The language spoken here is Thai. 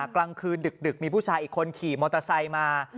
กลางคืนดึกมีผู้ชายอีกคนขี่มอเตอร์ไซค์มา